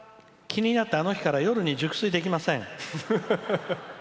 気になったあの日から夜に熟睡できません。